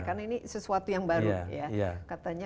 karena ini sesuatu yang baru ya katanya